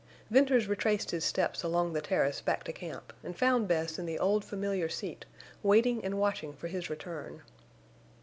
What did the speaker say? Venters retraced his steps along the terrace back to camp, and found Bess in the old familiar seat, waiting and watching for his return.